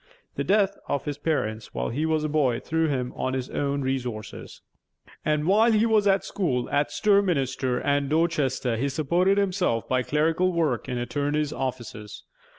The death of his parents while he was a boy threw him on his own resources; and while he was at school at Sturminster and Dorchester he supported himself by clerical work in attorneys' offices.